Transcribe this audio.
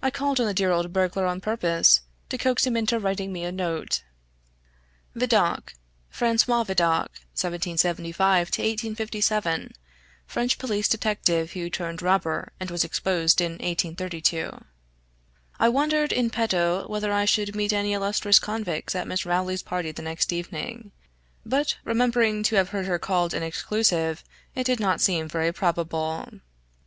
I called on the dear old burglar on purpose to coax him into writing me a note." {Vidocq = Francois Vidocq (1775 1857), French police detective who turned robber, and was exposed in 1832.} I wondered, in petto, whether I should meet any illustrious convicts at Miss Rowley's party the next evening; but remembering to have heard her called an exclusive, it did not seem very probable.